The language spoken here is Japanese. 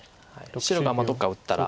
白がどっか打ったら。